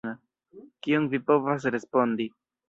Kion vi povas respondi.